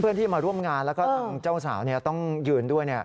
เพื่อนที่มาร่วมงานแล้วก็เจ้าสาวต้องยืนด้วย